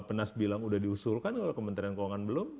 kalau kementerian keuangan belum